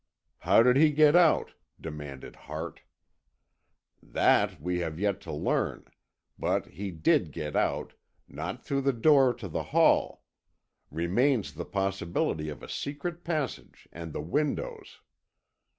"How did he get out?" demanded Hart. "That we have yet to learn. But he did get out, not through the door to the hall. Remains the possibility of a secret passage and the windows."